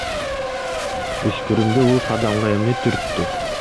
Өспүрүмдү бул кадамга эмне түрттү?